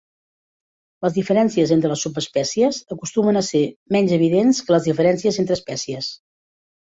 Les diferències entre les subespècies acostumen a ser menys evidents que les diferències entre espècies.